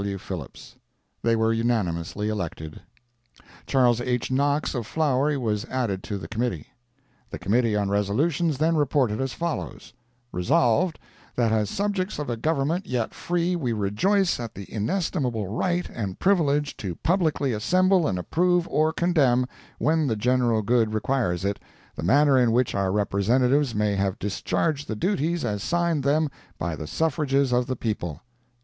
W. Phillips. They were unanimously elected. Chas. H. Knox of Flowery was added to the committee. The Committee on Resolutions then reported as follows: Resolved, That as subjects of a Government, yet free, we rejoice at the inestimable right and privilege to publicly assemble and approve or condemn, when the general good requires it, the manner in which our representatives may have discharged the duties as signed them by the suffrages of the people.